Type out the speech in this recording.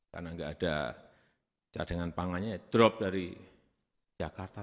karena enggak ada cadangan pangannya drop dari jakarta